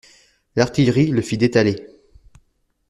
L'artillerie le fit détaler.